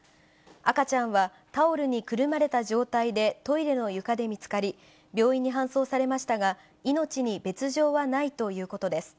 赤ちゃんはタオルにくるまれた状態で、トイレの床で見つかり、病院に搬送されましたが、命に別状はないということです。